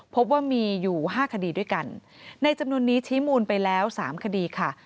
พบว่ามีอยู่๕คดีด้วยกันในจำนวนนี้ชี้มูลไปแล้ว๓คดีค่ะ